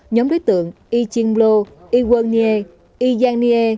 nhóm đối tượng yichinblu yguongye